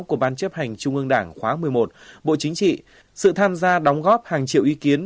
của ban chấp hành trung ương đảng khóa một mươi một bộ chính trị sự tham gia đóng góp hàng triệu ý kiến